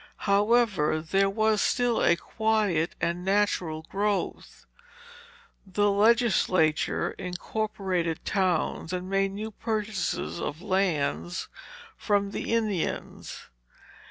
However, there was still a quiet and natural growth. The legislature incorporated towns, and made new purchases of lands from the Indians.